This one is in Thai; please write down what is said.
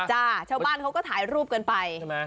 ชาวบ้านจ้าก็ถ่ายรูปกันไป